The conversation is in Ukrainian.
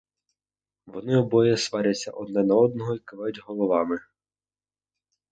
Вони обоє сваряться одне на другого й кивають головами.